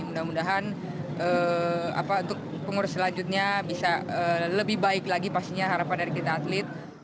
mudah mudahan untuk pengurus selanjutnya bisa lebih baik lagi pastinya harapan dari kita atlet